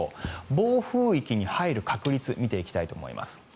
暴風警報に入る確率見ていきたいと思います。